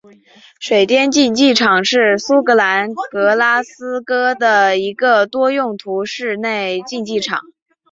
水电竞技场是苏格兰格拉斯哥的一个多用途室内竞技场。